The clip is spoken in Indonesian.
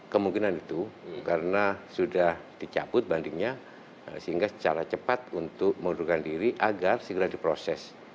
kemungkinan itu karena sudah dicabut bandingnya sehingga secara cepat untuk mengundurkan diri agar segera diproses